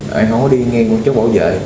em không có đi nghe một chút bảo vệ